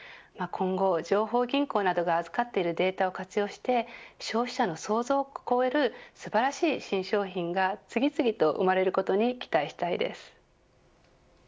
今後情報銀行などが預かっているデータなどを活用して消費者の想像を超える素晴らしい新商品が次々と生まれることに期待したいです。